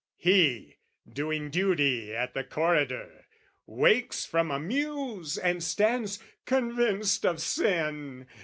He, doing duty at the corridor, Wakes from a muse and stands convinced of sin!